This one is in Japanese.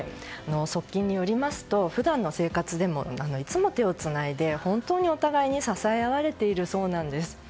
側近によりますと普段の生活でもいつも手をつないで本当にお互いに支え合われているそうなんです。